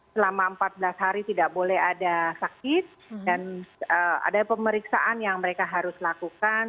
selama empat belas hari tidak boleh ada sakit dan ada pemeriksaan yang mereka harus lakukan